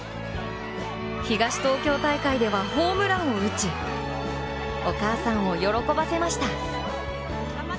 東東京大会ではホームランを打ち、お母さんを喜ばせました。